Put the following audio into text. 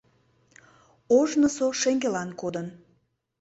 Ожнысо шеҥгелан кодын...